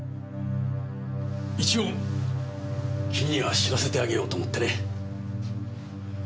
一応君には知らせてあげようと思ってね。